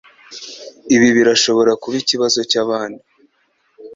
Ibi birashobora kuba ikibazo cyabandi